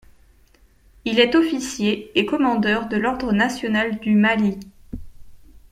Il est officier et commandeur de l’Ordre national du Mali.